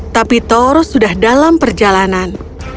tapi thor sudah dalam perjalanan